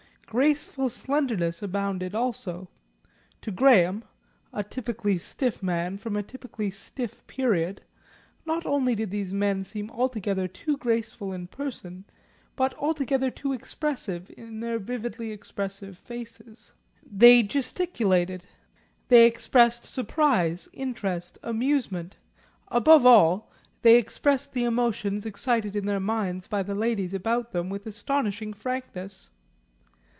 Graceful slenderness abounded also. To Graham, a typically stiff man from a typically stiff period, not only did these men seem altogether too graceful in person, but altogether too expressive in their vividly expressive faces. They gesticulated, they expressed surprise, interest, amusement, above all, they expressed the emotions excited in their minds by the ladies about them with astonishing frankness.